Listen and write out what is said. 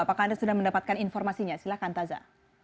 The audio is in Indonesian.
apakah anda sudah mendapatkan informasinya silahkan taza